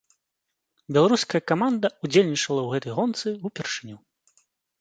Беларуская каманда ўдзельнічала ў гэтай гонцы ўпершыню.